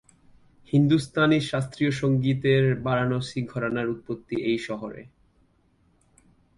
হিন্দুস্তানি শাস্ত্রীয় সংগীতের বারাণসী ঘরানার উৎপত্তি এই শহরে।